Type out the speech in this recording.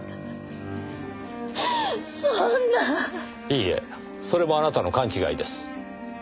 いいえそれもあなたの勘違いです。